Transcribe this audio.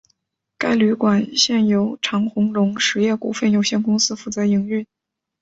该旅馆现由长鸿荣实业股份有限公司负责营运。